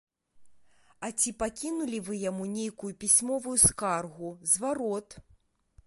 А ці пакінулі вы яму нейкую пісьмовую скаргу, зварот?